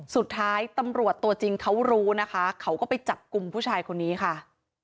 สุดท้ายตำรวจตัวจริงเขารู้นะคะเขาก็ไปจับกลุ่มผู้ชายคนนี้ค่ะ